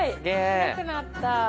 広くなった。